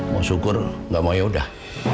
mau syukur nggak mau yaudah